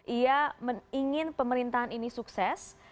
ia ingin pemerintahan ini sukses